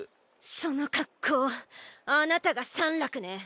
その格好あなたがサンラクね。